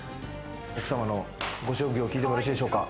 奥様のご職業を聞いてもよろしいでしょうか？